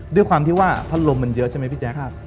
ด้วยความที่ว่าพัดลมมันเยอะใช่ไหมพี่แจ๊ค